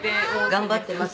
頑張ってます。